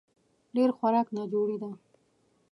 ډېر خوراک ناجوړي ده